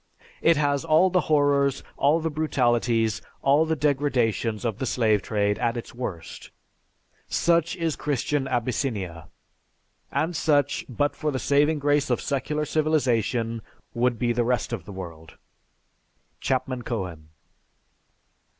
It has all the horrors, all the brutalities, all the degradations of the slave trade at its worst. Such is Christian Abyssinia, and such, but for the saving grace of secular civilization, would be the rest of the world." (_Chapman Cohen.